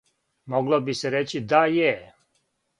Могло би се рећи да је.